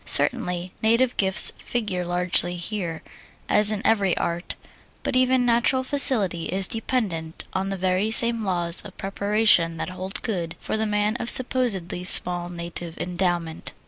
Certainly, native gifts figure largely here, as in every art, but even natural facility is dependent on the very same laws of preparation that hold good for the man of supposedly small native endowment.